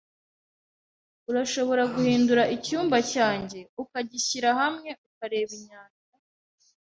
Urashobora guhindura icyumba cyanjye ukagishyira hamwe ukareba inyanja?